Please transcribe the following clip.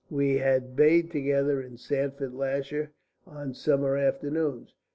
We had bathed together in Sandford Lasher on summer afternoons.